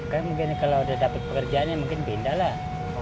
kan mungkin kalau udah dapat pekerjaannya mungkin pindah lah